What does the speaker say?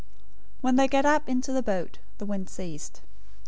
014:032 When they got up into the boat, the wind ceased.